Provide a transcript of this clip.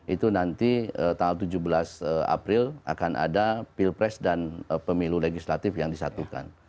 itu nanti tanggal tujuh belas april akan ada pilpres dan pemilu legislatif yang disatukan